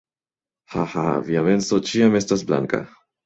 Haha. Via menso ĉiam estas blanka